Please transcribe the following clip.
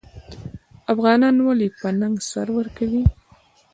افغانان ولې په ننګ سر ورکوي؟